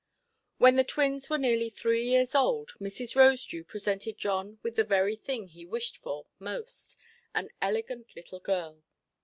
When the twins were nearly three years old, Mrs. Rosedew presented John with the very thing he wished for most, an elegant little girl.